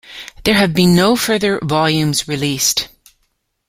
There have been no further volumes released.